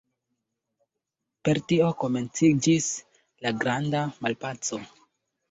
Per tio komenciĝis la Granda Malpaco.